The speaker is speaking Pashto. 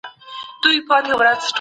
د زرو میلونو سفر په یو ګام پیل کېږي.